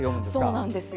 そうなんです。